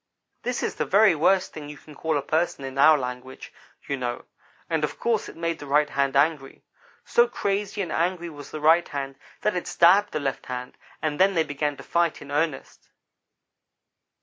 That is the very worst thing you can call a person in our language, you know, and of course it made the right hand angry. So crazy and angry was the right hand that it stabbed the left hand, and then they began to fight in earnest.